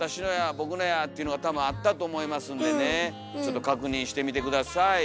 「僕のや」っていうのが多分あったと思いますんでねちょっと確認してみて下さい。